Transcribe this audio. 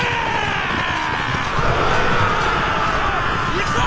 行くぞ！